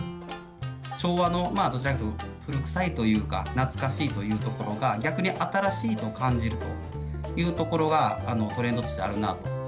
昭和の、どちらかというと古くさいというか、懐かしいというところが、逆に新しいと感じるというところが、トレンドとしてあるなと。